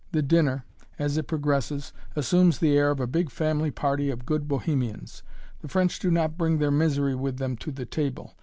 The dinner, as it progresses, assumes the air of a big family party of good bohemians. The French do not bring their misery with them to the table.